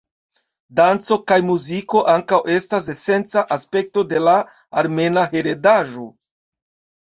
Danco kaj muziko ankaŭ estas esenca aspekto de la Armena Heredaĵo.